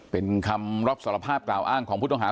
เป็นคำรับสารภาพกล่าวอ้างของผู้ต้องหา